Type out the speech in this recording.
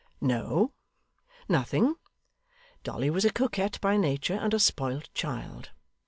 No. Nothing. Dolly was a coquette by nature, and a spoilt child.